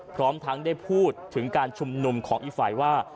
พร้อมทั้งได้พูดถึงการชุมนุมของอีกฝ่ายว่า